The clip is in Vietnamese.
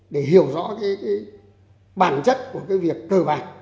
để hiểu rõ bản chất của việc cơ bản